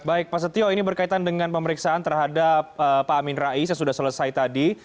baik pak setio ini berkaitan dengan pemeriksaan terhadap pak amin rais yang sudah selesai tadi